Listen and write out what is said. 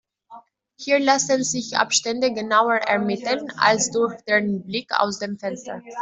Hier lassen sich Abstände genauer ermitteln als durch den Blick aus dem Fenster.